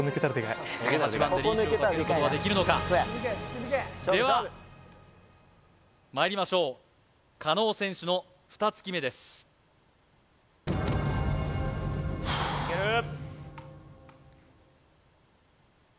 この８番でリーチをかけることはできるのかではまいりましょう加納選手の２突き目ですいけるっ